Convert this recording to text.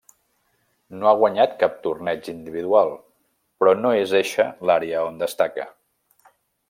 No ha guanyat cap torneig individual però no és eixa l'àrea on destaca.